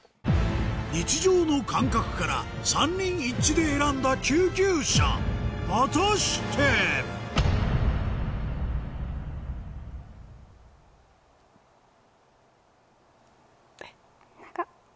日常の感覚から３人一致で選んだ救急車果たして⁉長っ。